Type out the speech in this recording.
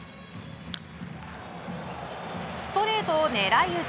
ストレートを狙い打ち。